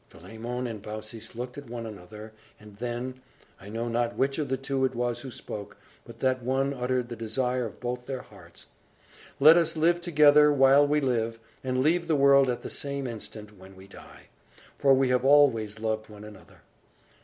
Philemon and Baucis looked at one another, and then I know not which of the two it was who spoke, but that one uttered the desire of both their hearts. "Let us live together, while we live, and leave the world at the same instant, when we die! For we have always loved one another!"